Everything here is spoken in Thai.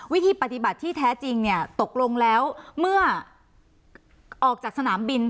วิธีปฏิบัติที่แท้จริงเนี่ยตกลงแล้วเมื่อออกจากสนามบิน